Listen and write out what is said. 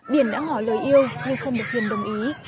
biển đã ngỏ lời yêu nhưng không được hiền đồng ý